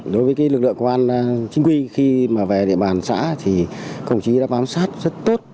đối với lực lượng công an chính quy khi mà về địa bàn xã thì công chí đã bám sát rất tốt